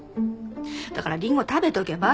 だからリンゴ食べとけばって。